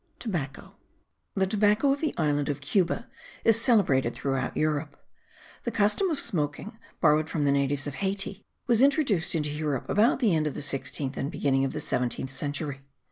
TOBACCO. The tobacco of the island of Cuba is celebrated throughout Europe. The custom of smoking, borrowed from the natives of Hayti, was introduced into Europe about the end of the sixteenth and beginning of the seventeenth century.